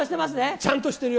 ちゃんとしてるよ。